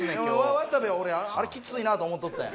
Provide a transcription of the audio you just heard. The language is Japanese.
渡部は俺あれきついなと思っとったんや。